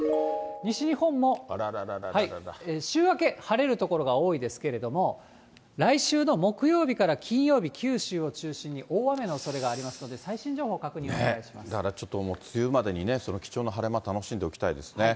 西日本も週明け、晴れる所が多いですけれども、来週の木曜日から金曜日、九州を中心に大雨のおそれがありますので、最新情報、確認をお願だからね、ちょっと梅雨までにね、貴重な晴れ間、楽しんでおきたいですね。